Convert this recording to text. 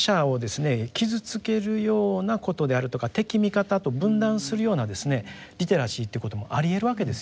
傷つけるようなことであるとか敵味方と分断するようなリテラシーということもありえるわけですよ。